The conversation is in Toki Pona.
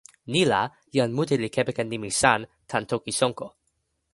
ni la, jan mute li kepeken nimi “san” tan toki Sonko.